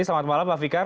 selamat malam pak fikar